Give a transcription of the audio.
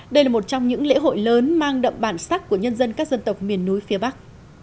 đây là một trong những lễ hội lớn mang đậm bản sắc của nhân dân các dân tộc miền núi phía bắc